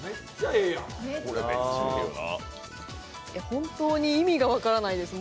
本当に意味が分からないです、